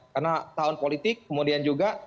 karena tahun politik kemudian juga